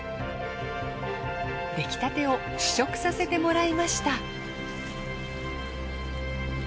できたてを試食させてもらいました。